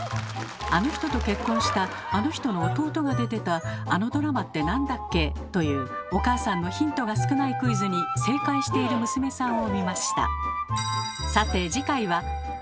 「あの人と結婚したあの人の弟が出てたあのドラマって何だっけ？」というお母さんのヒントが少ないクイズに正解している娘さんを見ました。